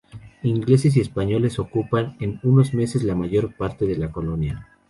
Ingleses y españoles ocupan en unos meses la mayor parte de la colonia.